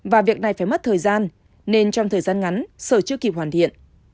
và việc này phải mất thời gian nên trong thời gian ngắn sở chưa kịp hoàn thiện